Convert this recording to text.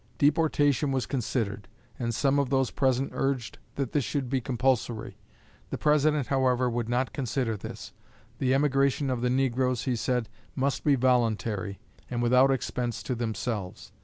Deportation was considered, and some of those present urged that this should be compulsory. The President, however, would not consider this; the emigration of the negroes, he said, must be voluntary, and without expense to themselves.